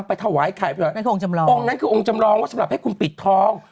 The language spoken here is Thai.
ไปถวายไข่นั่นองค์จำลององค์นั้นคือองค์จำลองว่าสำหรับให้คุณปิดทอง